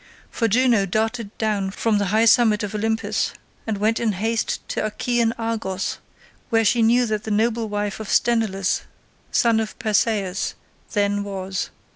For Juno darted down from the high summit of Olympus, and went in haste to Achaean Argos where she knew that the noble wife of Sthenelus son of Perseus then was.